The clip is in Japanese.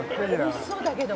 「美味しそうだけど」